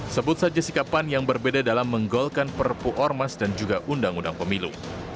sebut saja sikapan yang berbeda dalam menggolkan perpu ormas dan juga undang undang pemilu